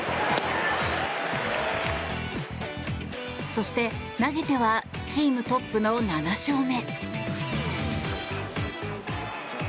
そして、投げてはチームトップの７勝目。